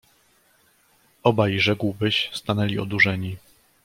"Obaj, rzekłbyś, stanęli odurzeni."